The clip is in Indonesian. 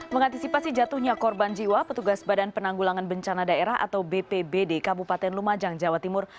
mengantisipasi jatuhnya korban jiwa petugas badan penanggulangan bencana daerah atau bpbd kabupaten lumajang jawa timur